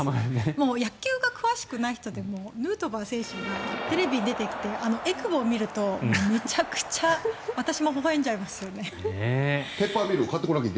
野球が詳しくない人でもヌートバー選手がテレビに出てきてあのえくぼを見るとめちゃくちゃペッパーミル買わないと。